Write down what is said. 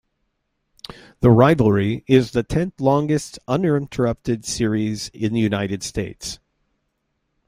The rivalry is the tenth longest uninterrupted series in the United States.